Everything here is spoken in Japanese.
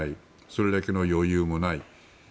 それだけの余裕もない。